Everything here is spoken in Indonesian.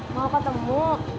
mau apa temu